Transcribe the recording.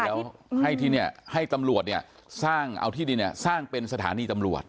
เดี๋ยวให้ที่เนี่ยให้ตำรวจเนี่ยสร้างเอาที่ดินเนี่ยสร้างเป็นสถานีตำรวจ